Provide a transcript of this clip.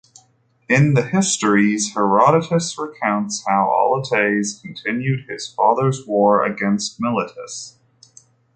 In "The Histories", Herodotus recounts how Alyattes continued his father's war against Miletus.